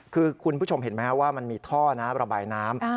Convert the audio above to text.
คุณผู้ชมเห็นไหมว่ามันมีท่อระบายน้ำ